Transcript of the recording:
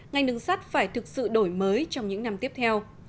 ngành đường sắt phải thực sự đổi mới trong những năm tiếp theo